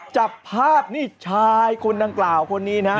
จับภาพนี่ชายคนดังกล่าวคนนี้นะ